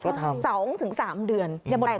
๒๓เดือน